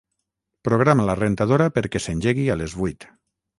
Programa la rentadora perquè s'engegui a les vuit